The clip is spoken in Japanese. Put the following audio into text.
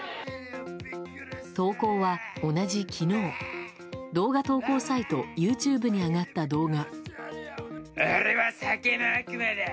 投稿は同じ昨日動画投稿サイトＹｏｕＴｕｂｅに上がった動画。